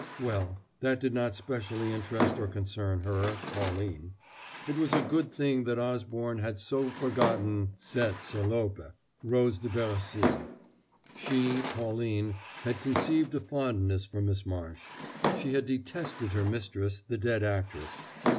Well, that did not specially interest or concern her, Pauline. It was a good thing that Osborne had so soon forgotten cette salope, Rose de Bercy. She, Pauline, had conceived a fondness for Miss Marsh; she had detested her mistress, the dead actress.